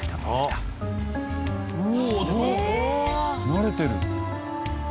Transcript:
慣れてる。